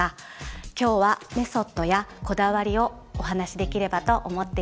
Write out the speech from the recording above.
今日はメソッドやこだわりをお話しできればと思っています。